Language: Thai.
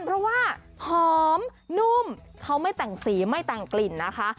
เพราะว่าหอมนุ่มเขาไม่แต่งสีไม่แต่งกลิ่นนะคะ